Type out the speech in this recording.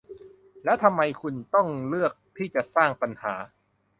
และทำไมคุณถึงเลือกที่จะสร้างปัญหา